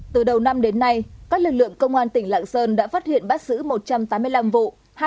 từ đầu năm đến nay các lực lượng công an tỉnh lạng sơn đã phát hiện bắt xử một trăm tám mươi năm vụ